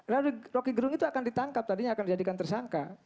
lalu roky gerung itu akan ditangkap tadinya akan dijadikan tersangka